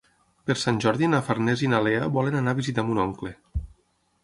Per Sant Jordi na Farners i na Lea volen anar a visitar mon oncle.